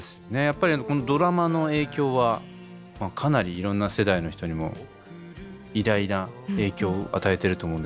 やっぱりドラマの影響はかなりいろんな世代の人にも偉大な影響を与えてると思うんですけれども。